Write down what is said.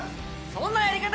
そんなやり方